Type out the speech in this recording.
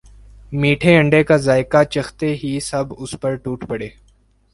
میٹھے انڈے کا ذائقہ چکھتے ہی سب اس پر ٹوٹ پڑے